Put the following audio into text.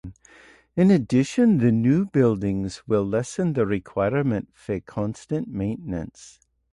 In addition, the new buildings will lessen the requirement for constant maintenance.